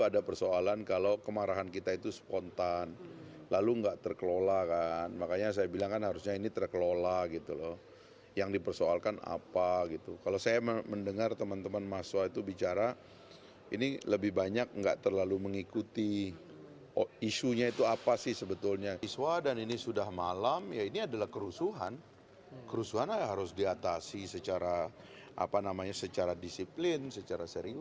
dalam keterangan kepada media